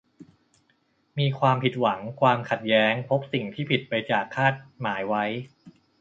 มีความผิดหวัง ความขัดแย้ง พบสิ่งที่ผิดไปจากคาดหมายไว้